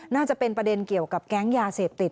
น่าจะเป็นประเด็นเกี่ยวกับแก๊งยาเสพติด